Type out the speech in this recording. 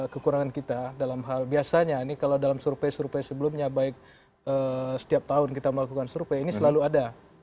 ini ada kekurangan kita dalam hal biasanya ini kalau dalam survey survey sebelumnya baik setiap tahun kita melakukan survey ini selalu ada